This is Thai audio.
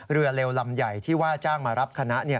เรือเร็วลำใหญ่ที่ว่าจ้างมารับคณะ